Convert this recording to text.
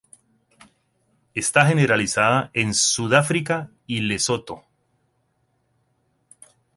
Está generalizada en Sudáfrica y Lesoto.